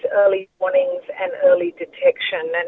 perawatan awal dan deteksi awal